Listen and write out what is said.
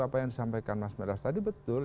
apa yang disampaikan mas meres tadi betul